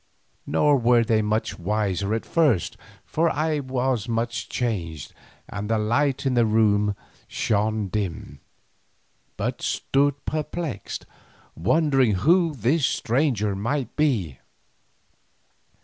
Nor were they much the wiser at first, for I was much changed and the light in the room shone dim, but stood perplexed, wondering who this stranger might be.